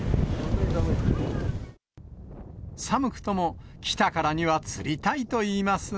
寒くとも、来たからには釣りたいと言いますが。